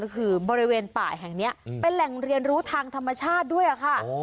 ก็คือบริเวณป่าแห่งนี้เป็นแหล่งเรียนรู้ทางธรรมชาติด้วยค่ะ